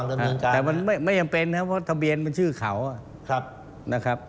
แต่มันไม่จำเป็นครับเพราะทะเบียนมันชื่อเขา